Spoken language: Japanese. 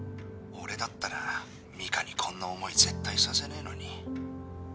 俺だったらミカにこんな思い絶対させねえのに。